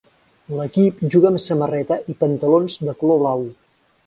L'equip juga amb samarreta i pantalons de color blau.